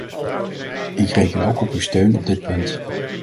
Ik reken ook op uw steun op dit punt.